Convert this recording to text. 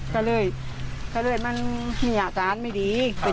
กะเลยกะเลยมันไม่อยากสาธารณ์ไม่ดี